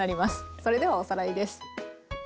それではおさらいです。